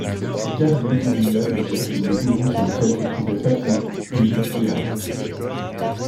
Et Carrier désigna du geste le bureau sur lequel se trouvaient papier, plumes et encre.